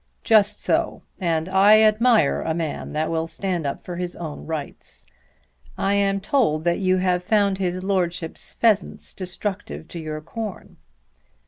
"Just so; and I admire a man that will stand up for his own rights. I am told that you have found his Lordship's pheasants destructive to your corn."